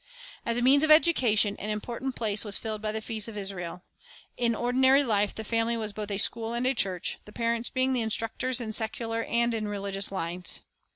As a means of education, an important place was filled by the feasts of Israel. In ordinary life the family was both a school and a church, the parents being the instructors in secular and in religious lines.